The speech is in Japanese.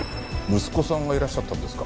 息子さんがいらっしゃったんですか？